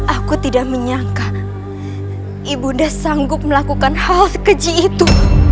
aku tidak menyangka ibunda sanggup melakukan hal sekeji itu